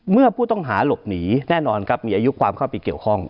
เมื่อผู้ต้องหาหลบหนีแน่นอนครับมีอายุความเข้าไปเกี่ยวข้อง